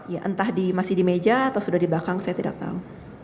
ya entah masih di meja atau sudah di belakang saya tidak tahu